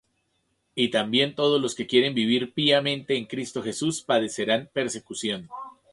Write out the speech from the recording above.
Y también todos los que quieren vivir píamente en Cristo Jesús, padecerán persecución.